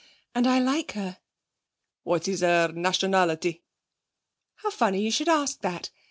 And I like her.' 'What is her nationality?' 'How funny you should ask that!